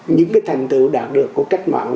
những cái thành tựu đạt được của cách mạng